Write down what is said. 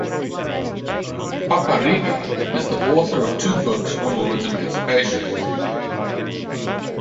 Papariga is the author of two books on women's emancipation.